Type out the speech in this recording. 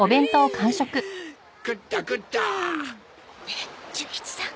ねえ純一さん。